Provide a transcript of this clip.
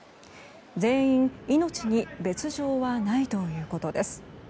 全員、命に別条はないということです。